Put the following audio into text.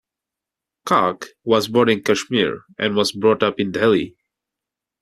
Kak was born in Kashmir and was brought up in Delhi.